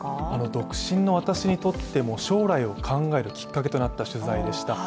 独身の私にとっても、将来を考えるきっかけとなった取材でした。